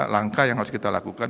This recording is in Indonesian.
langkah yang harus kita lakukan